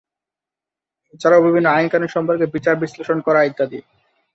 এছাড়াও বিভিন্ন আইন-কানুন সম্পর্কে বিচার বিশ্লেষণ করা ইত্যাদি।